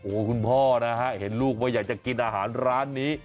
คุณพ่อนะฮะเห็นลูกว่าอยากจะกินอาหารร้านนี้